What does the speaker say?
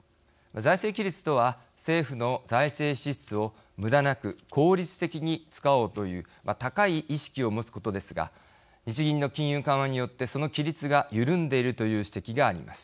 財政規律とは政府の財政支出をむだなく効率的に使おうと高い意識を持つことを日銀の金融緩和によってその規律が緩んでいるという指摘があります。